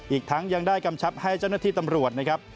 อีกทั้งยังได้กำชับให้เจ้าหน้าที่ตำรวจนะครับ